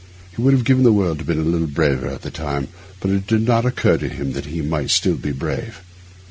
He would have given the world to have been a little braver at the time, but it did not occur to him that he might still be brave.